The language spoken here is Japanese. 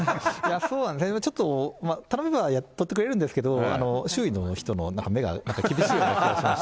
そうなんです、頼めば撮ってくれるんですけど、周囲の人のなんか目が、なんか厳しいような気がしまして。